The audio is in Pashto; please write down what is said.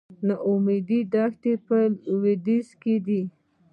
د نا امید دښته په لویدیځ کې ده